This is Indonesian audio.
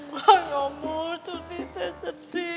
mas nyamur surti teh sedih